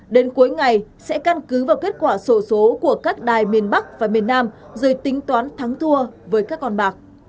đến cuối ngày sẽ căn cứ vào kết quả sổ số của các đài miền bắc và miền nam rồi tính toán thắng thua với các con bạc